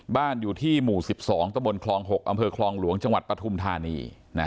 บ้านอยู่ที่หมู่๑๒ตะบนคลอง๖อำเภอคลองหลวงจังหวัดปฐุมธานี